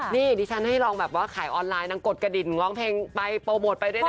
นี่ดิฉันให้ลองแบบว่าขายออนไลน์นางกดกระดิ่งร้องเพลงไปโปรโมทไปด้วยนะ